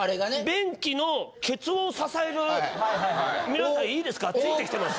便器のケツを支える皆さんいいですかついてきてます？